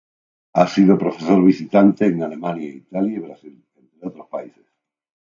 Ha sido profesor visitante en Alemania, Italia y Brasil, entre otros países.